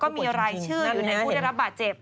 มีรายชื่ออยู่ในผู้ได้รับบาดเจ็บ